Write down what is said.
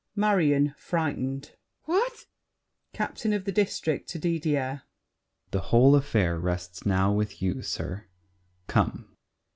MARION (frightened). What! CAPTAIN OF THE DISTRICT (to Didier). The whole affair rests now with you, sir. Come!